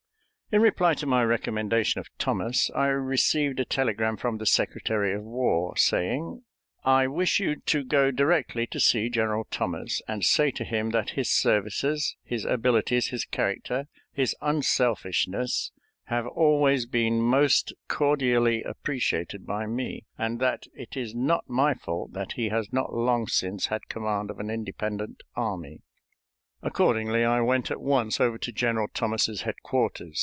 In reply to my recommendation of Thomas, I received a telegram from the Secretary of War, saying: "I wish you to go directly to see General Thomas, and say to him that his services, his abilities, his character, his unselfishness, have always been most cordially appreciated by me, and that it is not my fault that he has not long since had command of an independent army." Accordingly, I went at once over to General Thomas's headquarters.